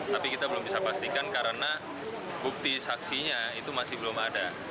tapi kita belum bisa pastikan karena bukti saksinya itu masih belum ada